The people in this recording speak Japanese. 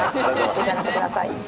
召し上がってください。